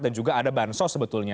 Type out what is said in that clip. dan juga ada bansos sebetulnya